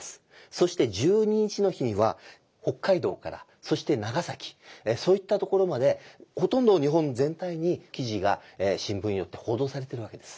そして１２日の日には北海道からそして長崎そういったところまでほとんど日本全体に記事が新聞によって報道されてるわけです。